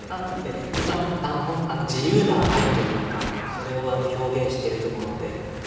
自由な愛というかそれを表現していると思うので。